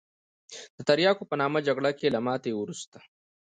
د تریاکو په نامه جګړه کې له ماتې وروسته.